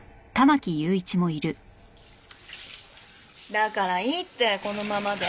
だからいいってこのままで。